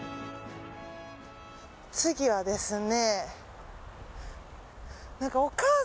次はですね。